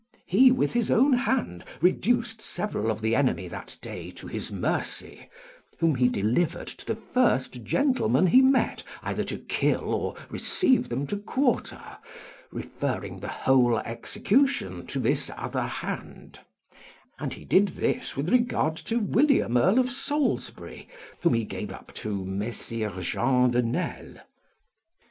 He with his own hand reduced several of the enemy that day to his mercy, whom he delivered to the first gentleman he met either to kill or receive them to quarter, referring the whole execution to this other hand; and he did this with regard to William, Earl of Salisbury, whom he gave up to Messire Jehan de Nesle.